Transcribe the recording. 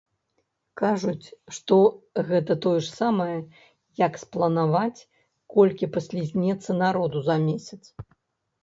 Кажуць, што гэта тое ж самае, як спланаваць, колькі паслізнецца народу за месяц!